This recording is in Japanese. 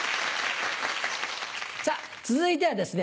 さぁ続いてはですね